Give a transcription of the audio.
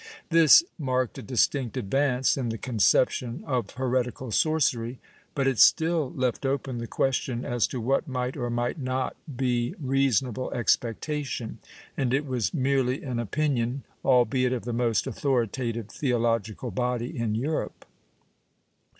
^ This marked a distinct advance in the conception of heretical sorcery, but it still left open the ciuestion as to what might or might not be reasonable expectation, and it was merely an opinion, albeit of the most authoritative theological body in Europe.